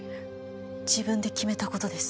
自分で決めたことです